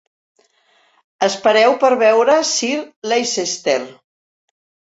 Espereu per veure Sir Leicester?